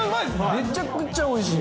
めちゃくちゃおいしい。